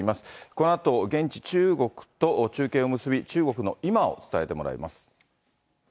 このあと、現地、中国と中継を結び、中国の今を伝えてもらいます。